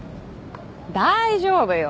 大丈夫よ。